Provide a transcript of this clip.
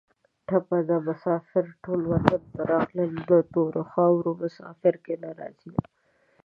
ټپه ده: مسافر ټول وطن ته راغلل د تورو خارو مسافر کله راځینه